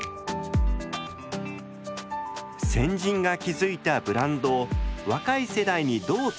先人が築いたブランドを若い世代にどう伝えていくか。